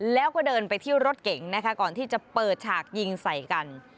แล้วก็เดินไปที่รถเก๋งนะคะก่อนที่จะเปิดฉากยิงใส่กัน